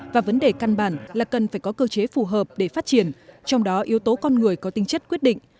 và vấn đề căn bản là cần phải có cơ chế phù hợp để phát triển trong đó yếu tố con người có tinh chất quyết định